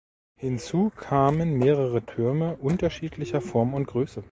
Hinzu kamen mehrere Türme unterschiedlicher Form und Größe.